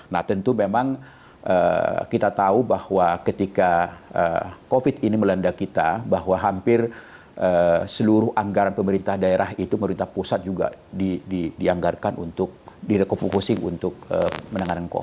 nah tentu memang kita tahu bahwa ketika covid ini melanda kita bahwa hampir seluruh anggaran pemerintah daerah itu pemerintah pusat juga dianggarkan untuk direkofosi untuk menangani